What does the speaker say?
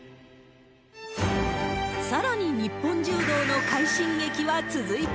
さらに日本柔道の快進撃は続いた。